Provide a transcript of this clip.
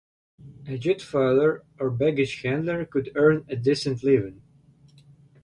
A jet-fueller or baggage handler could earn a decent living.